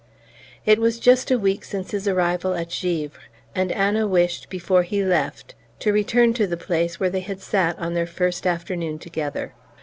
It was just a week since his arrival at Givre, and Anna wished, before he left, to return to the place where they had sat on their first afternoon together.